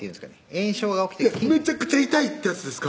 炎症が起きてめちゃくちゃ痛いってやつですか？